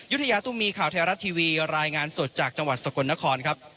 ยุธยาตุ้มีข่าวไทยรัฐทีวีรายงานสดจากจังหวัดสกลนครครับ